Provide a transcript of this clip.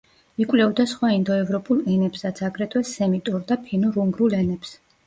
იკვლევდა სხვა ინდოევროპულ ენებსაც, აგრეთვე სემიტურ და ფინურ-უგრულ ენებს.